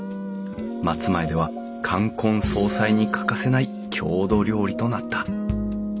松前では冠婚葬祭に欠かせない郷土料理となった。